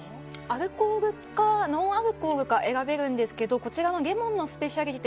アルコールかノンアルコールか選べるんですけどこちらのレモンのスペシャリテ